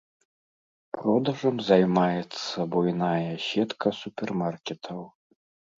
Продажам займаецца буйная сетка супермаркетаў.